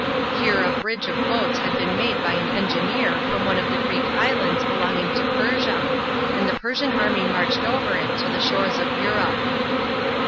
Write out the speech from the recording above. Here a bridge of boats had been made by an engineer from one of the Greek islands belonging to Persia, and the Persian army marched over it to the shores of Europe.